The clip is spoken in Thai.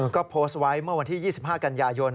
ก็โพสต์ไว้เมื่อวันที่๒๕กันยายน